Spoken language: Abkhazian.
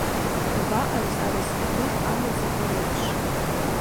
Шәабаҟаз арысҟатәи амаҵақәа реиԥш…